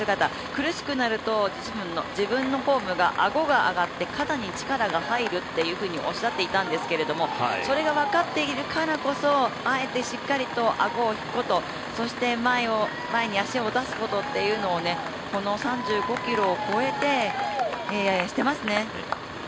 苦しくなると自分のフォームが顎が上がって肩に力が入るとおっしゃっていたんですけれどそれが分かっているからこそあえてしっかりと顎を引くことそして、前に足を出すことというのをねこの３５ｋｍを超えてしてますね。